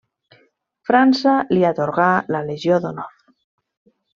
França li atorgà la Legió d'Honor.